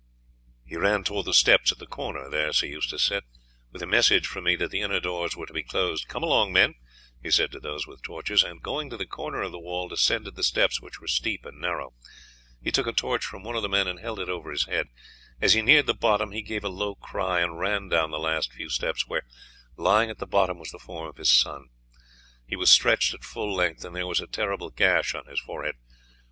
"He ran towards the steps at the corner there," Sir Eustace said, "with a message from me that the inner doors were to be closed. Come along, men," he said to those with torches, and going to the corner of the wall descended the steps, which were steep and narrow. He took a torch from one of the men and held it over his head. As he neared the bottom he gave a low cry and ran down the last few steps, where, lying at the bottom, was the form of his son. He was stretched at full length, and there was a terrible gash on his forehead.